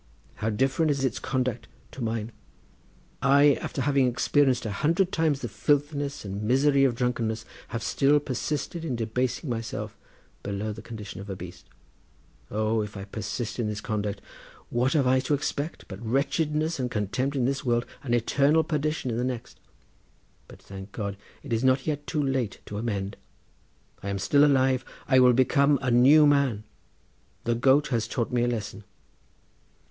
How different is its conduct to mine! I, after having experienced a hundred times the filthiness and misery of drunkenness, have still persisted in debasing myself below the condition of a beast. O, if I persist in this conduct what have I to expect but wretchedness and contempt in this world and eternal perdition in the next? But, thank God, it is not yet too late to amend; I am still alive—I will become a new man—the goat has taught me a lesson."